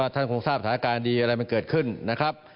ท่านคงทราบสถานการณ์ดีอะไรมันเกิดขึ้นนะครับ